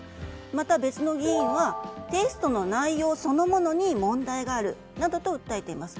また、別の議員はテストの内容そのものに問題があるなどと訴えています。